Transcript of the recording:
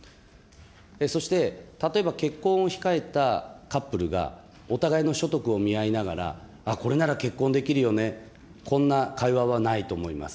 そして例えば結婚を控えたカップルがお互いの所得を見合いながら、あっ、これなら結婚できるよね、こんな会話はないと思います。